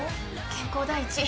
健康第一。